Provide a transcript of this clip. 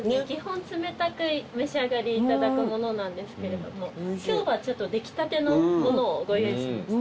基本冷たくお召し上がりいただくものなんですけれども今日はちょっと出来たてのものをご用意しました。